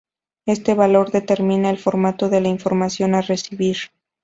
Este valor determina el formato de la información a recibir.